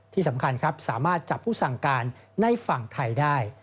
ที่สำคัญครับสามารถจับผู้สั่งการในฝั่งไทยได้